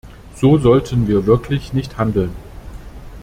So sollten wir wirklich nicht handeln.